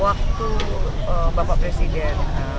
waktu bapak presiden